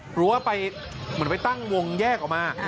หรือว่าไปเหมือนไปตั้งวงแยกออกมา